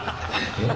えっ？